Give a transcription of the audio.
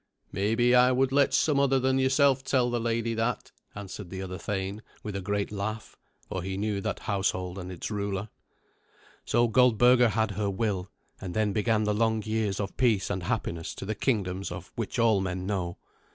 "Maybe I would let some other than yourself tell the lady that," answered the other thane with a great laugh, for he knew that household and its ruler. So Goldberga had her will, and then began the long years of peace and happiness to the kingdoms of which all men know.